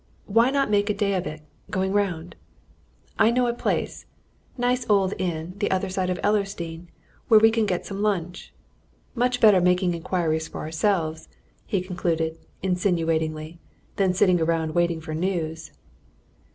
Why not make a day of it, going round? I know a place nice old inn, the other side of Ellersdeane where we can get some lunch. Much better making inquiries for ourselves," he concluded insinuatingly, "than sitting about waiting for news."